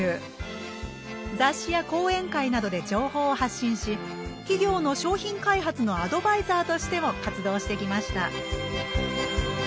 雑誌や講演会などで情報を発信し企業の商品開発のアドバイザーとしても活動してきました